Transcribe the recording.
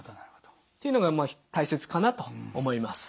っていうのが大切かなと思います。